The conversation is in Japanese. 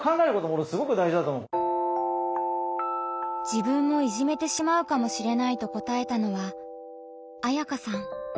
自分もいじめてしまうかもしれないと答えたのはあやかさん。